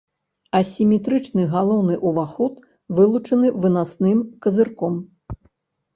Асіметрычны галоўны ўваход вылучаны вынасным казырком.